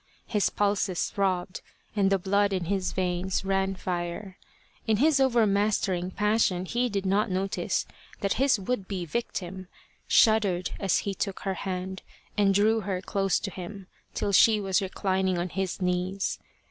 His pulses throbbed and the blood in his veins ran fire. In his overmastering passion he did not notice that his would be victim shuddered as he took her hand and drew her close to him till she was reclining on his knees.